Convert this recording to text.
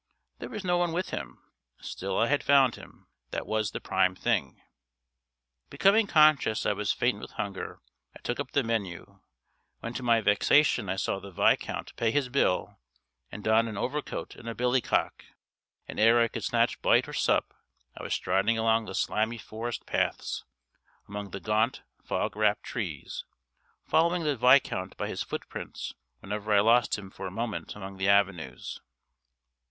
There was no one with him. Still I had found him. That was the prime thing. Becoming conscious I was faint with hunger, I took up the menu, when to my vexation I saw the Viscount pay his bill, and don an overcoat and a billy cock, and ere I could snatch bite or sup I was striding along the slimy forest paths, among the gaunt, fog wrapped trees, following the Viscount by his footprints whenever I lost him for a moment among the avenues.